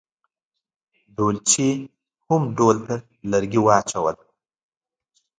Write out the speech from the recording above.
ډولچي هم ډول ته لرګي واچول.